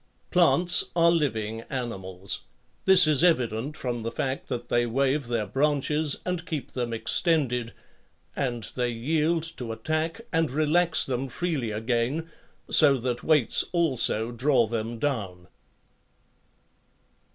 Plants are living animals; this is evident from the fact that they wave their branches and keep them extended, and they yield to attack and relax them freely again, so that weights also draw them down.